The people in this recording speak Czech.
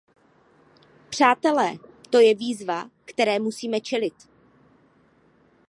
Přátelé, to je výzva, které musíme čelit!